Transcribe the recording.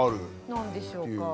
何でしょうか？